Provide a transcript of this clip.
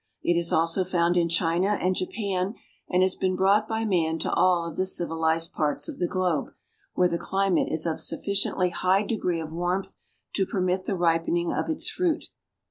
It is also found in China and Japan and has been brought by man to all of the civilized parts of the globe, where the climate is of a sufficiently high degree of warmth to permit the ripening of its fruit.